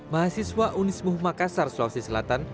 mahasiswa unismu makassar sulawesi selatan